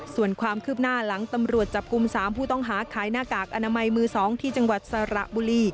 ส่วนความคืบหน้าหลังตำรวจจับกลุ่ม๓ผู้ต้องหาขายหน้ากากอนามัยมือ๒ที่จังหวัดสระบุรี